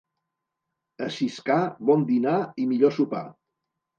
A Siscar, bon dinar i millor sopar.